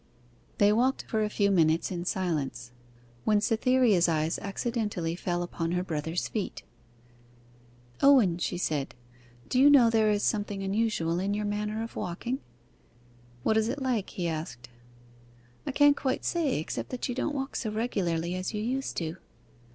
They walked for a few minutes in silence, when Cytherea's eyes accidentally fell upon her brother's feet. 'Owen,' she said, 'do you know that there is something unusual in your manner of walking?' 'What is it like?' he asked. 'I can't quite say, except that you don't walk so regularly as you used to.